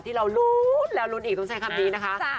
ที่เรารุ้นแล้วลุ้นอีกต้องใช้คำนี้นะคะ